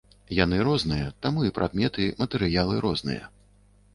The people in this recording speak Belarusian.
Яны розныя, таму і прадметы, матэрыялы розныя.